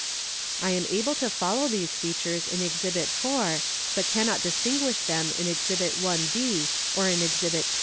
"T am able to follow these features in Exhibit 4, but cannot distin guish them in Exhibit 1 (d) or in Exhibit 2.